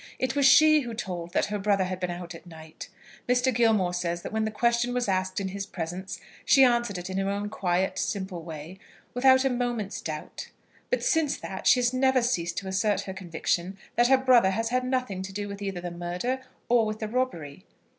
It was she who told that her brother had been out at night. Mr. Gilmore says that when the question was asked in his presence, she answered it in her own quiet, simple way, without a moment's doubt; but since that she has never ceased to assert her conviction that her brother has had nothing to do either with the murder or with the robbery.